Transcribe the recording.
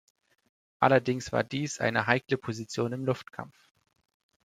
Allerdings war dies eine heikle Position im Luftkampf.